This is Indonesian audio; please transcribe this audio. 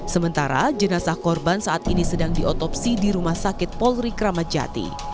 sementara jenazah korban saat ini sedang diotopsi di rumah sakit polri kramat jati